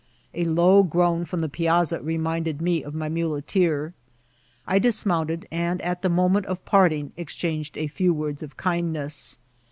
A low groan from the piBsza reminded me of my muleteer. I dismomited) and, at the moment of parting, exchanged a few words of kindness.